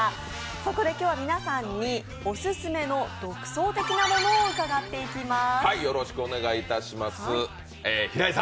そこで今日は皆さんにオススメの独創的なものを伺っていきます。